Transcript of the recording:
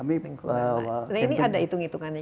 ini ada hitung hitungannya